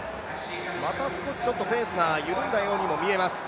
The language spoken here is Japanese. また少しペースが緩んだように見えます。